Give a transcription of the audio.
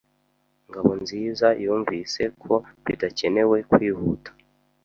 Ngabonziza yumvise ko bidakenewe kwihuta.